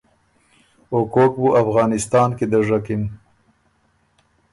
او کوک بُو افغانِستان کی دژکِن۔